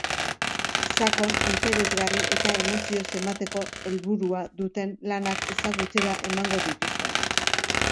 Sakon, interesgarri eta emozioz emateko helburua duten lanak ezagutzera emango dituzte.